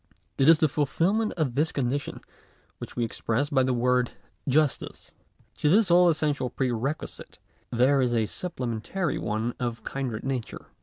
It is the fulfilment of this condition which we express by the word justice. To this all essential pre requisite there is a supplementary one of kindred nature.